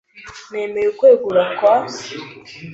Nemeye ukwegura kwa .